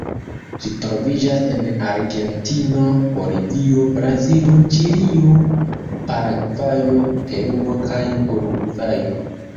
Ĝi troviĝas en Argentino, Bolivio, Brazilo, Ĉilio, Paragvajo, Peruo kaj Urugvajo.